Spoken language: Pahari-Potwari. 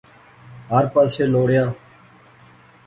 ہر پاسے لوڑیا